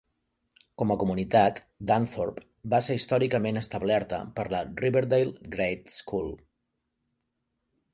Com a comunitat, Dunthorpe va ser històricament establerta per la Riverdale Grade School.